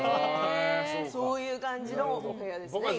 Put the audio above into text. そういう感じのお部屋ですね。